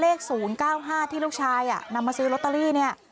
เลข๐๙๕ที่ลูกชายนำมาซื้อลอตเตอรี่เนี่ย